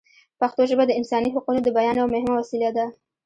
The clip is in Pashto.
پښتو ژبه د انساني حقونو د بیان یوه مهمه وسیله ده.